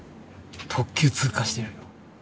特急通過してる。